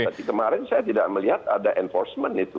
tapi kemarin saya tidak melihat ada enforcement itu